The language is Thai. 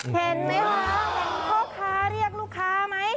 เห็นมั้ยคะเพราะว่าพ่อค้าเรียกลูกค้าไหม